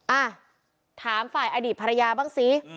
อ่ะถามฝ่ายอดีตภรรยาบ้างสิ